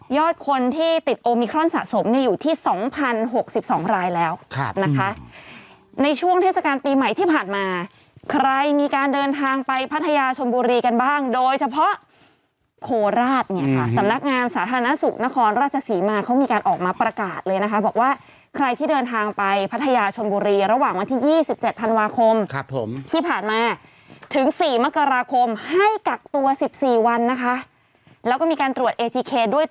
ยอดคนที่ติดโอมิครอนสะสมเนี่ยอยู่ที่สองพันหกสิบสองรายแล้วครับนะคะในช่วงเทศกาลปีใหม่ที่ผ่านมาใครมีการเดินทางไปพัทยาชมบุรีกันบ้างโดยเฉพาะโคราชเนี่ยค่ะสำนักงานสาธารณสุขนครราชสีมาเขามีการออกมาประกาศเลยนะคะบอกว่าใครที่เดินทางไปพัทยาชมบุรีระหว่างวันที่ยี่สิบเจ็ดธันวาคมครับผมที่ผ่